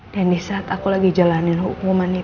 dan disaat aku lagi jalanin hukuman itu